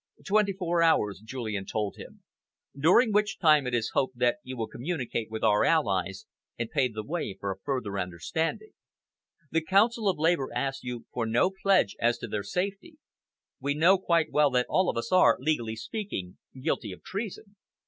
"Twenty four hours," Julian told him, "during which time it is hoped that you will communicate with our Allies and pave the way for a further understanding. The Council of Labour asks you for no pledge as to their safety. We know quite well that all of us are, legally speaking, guilty of treason.